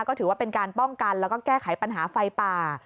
ก็ถือว่าเป็นการป้องกันแล้วก็แก้ไขปัญหาไฟป่า